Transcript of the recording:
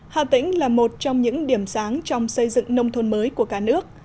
hà tĩnh là một trong những điểm sáng trong xây dựng nông thôn mới của cả nước